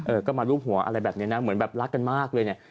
เออก็มารูปหัวอะไรแบบนี้นะเหมือนแบบรักกันมากเลยเนี่ย